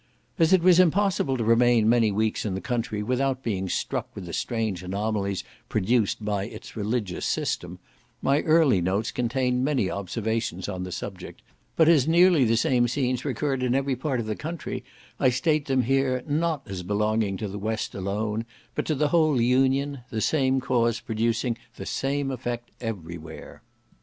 As it was impossible to remain many weeks in the country without being struck with the strange anomalies produced by its religious system, my early notes contain many observations on the subject; but as nearly the same scenes recurred in every part of the country, I state them here, not as belonging to the west alone, but to the whole Union, the same cause producing the same effect every where.